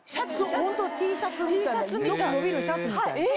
ホントＴシャツみたいなよく伸びるシャツみたい。